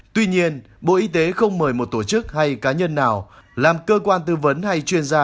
tuy nhiên bộ y tế không mời một tổ chức hay cá nhân nào làm cơ quan tư vấn hay chuyên gia